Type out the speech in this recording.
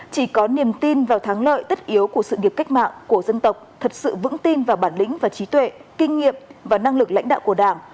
chỉ có niềm tin vào thắng lợi tất yếu của sự nghiệp cách mạng của dân tộc thật sự vững tin vào bản lĩnh và trí tuệ kinh nghiệm và năng lực lãnh đạo của đảng